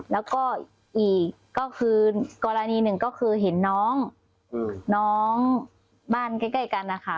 แล้วก็อีกก็คือกรณีหนึ่งก็คือเห็นน้องน้องบ้านใกล้กันนะคะ